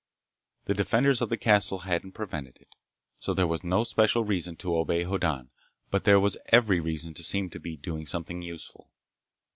The defenders of the castle hadn't prevented it. So there was no special reason to obey Hoddan, but there was every reason to seem to be doing something useful.